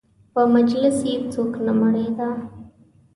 په مجلس یې څوک نه مړېده.